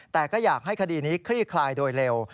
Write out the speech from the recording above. แต่ก็อยากให้คดีนี้คลี่คลายโดยเร็ว